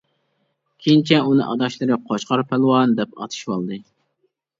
كېيىنچە ئۇنى ئاداشلىرى «قوچقار پالۋان» دەپ ئاتىشىۋالدى.